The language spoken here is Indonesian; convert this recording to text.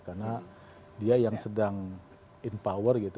karena dia yang sedang in power gitu